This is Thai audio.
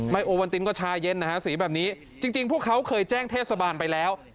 โอวันตินก็ชาเย็นนะฮะสีแบบนี้จริงพวกเขาเคยแจ้งเทศบาลไปแล้ว